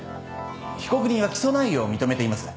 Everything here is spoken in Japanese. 被告人は起訴内容を認めています。